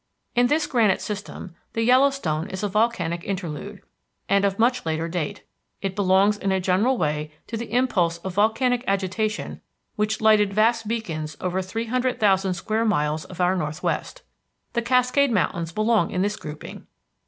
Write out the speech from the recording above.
In this granite system the Yellowstone is a volcanic interlude, and of much later date. It belongs in a general way to the impulse of volcanic agitation which lighted vast beacons over three hundred thousand square miles of our northwest. The Cascade Mountains belong in this grouping.